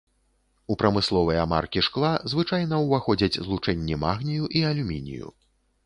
У прамысловыя маркі шкла звычайна ўваходзяць злучэнні магнію і алюмінію.